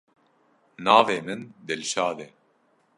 Navê min Dilşad e.